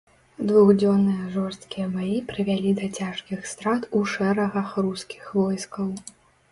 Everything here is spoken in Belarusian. Двухдзённыя жорсткія баі прывялі да цяжкіх страт у шэрагах рускіх войскаў.